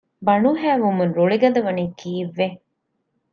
ބަނޑުހައި ވުމުން ރުޅި ގަދަވަނީ ކީއްވެ؟